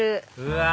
うわ！